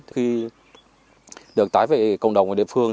khi được tái vệ cộng đồng ở địa phương